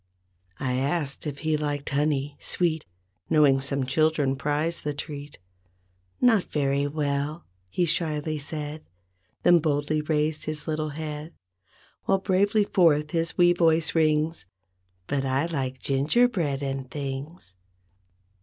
I asked if he liked honey, sweet, Knowing some children prize the treat. "Not wery well," he shyly said. Then boldly raised his little head. While bravely forth his wee voice rings, "But I like gingerbread and things."